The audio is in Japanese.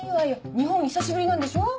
日本久しぶりなんでしょ？